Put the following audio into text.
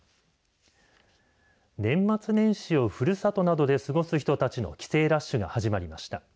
年末年始をふるさとなどで過ごす人たちの帰省ラッシュが始まりました。